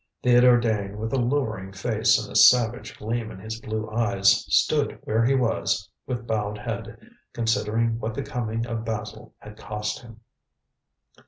Theodore Dane, with a lowering face and a savage gleam in his blue eyes, stood where he was, with bowed head, considering what the coming of Basil had cost him.